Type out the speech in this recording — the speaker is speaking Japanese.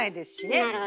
なるほど。